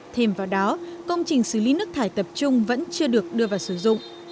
thêm vào đó công trình xử lý nước thải tập trung vẫn chưa được đưa vào sử dụng